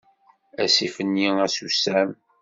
Asif-nni asusam.